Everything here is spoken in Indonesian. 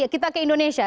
kita ke indonesia